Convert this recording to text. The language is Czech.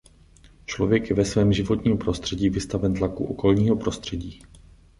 Člověk je ve svém životním prostředí vystaven tlaku okolního prostředí.